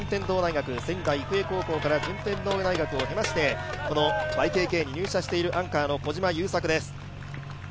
仙台育英高校から順天堂大学を経まして、ＹＫＫに入社しているアンカーの小島優作です。